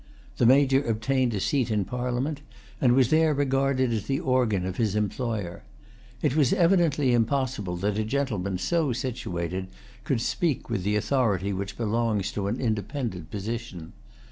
The Major obtained a seat in Parliament, and was there regarded as the organ of his employer. It was evidently impossible that a gentleman so situated could speak with the authority which belongs to an independent position.